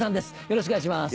よろしくお願いします。